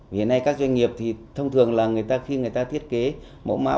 hiện nay các doanh nghiệp thì thông thường là khi người ta thiết kế mẫu mã bao bì